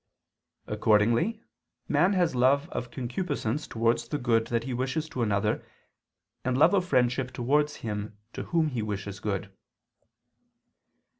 Accordingly, man has love of concupiscence towards the good that he wishes to another, and love of friendship towards him to whom he wishes good.